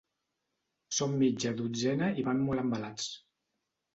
Són mitja dotzena i van molt embalats.